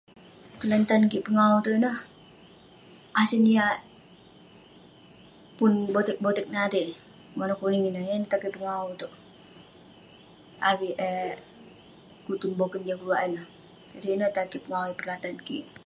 Tulan tan kik pengawu iteuk ineh, asen yah pun boteq-boteq natei warna kuning ineh yan neh tan kek pengawu iteuk, avik eh kutun boken jah keluak ineh. Ireh ineh tan kek pengawu yah pernah tan kik.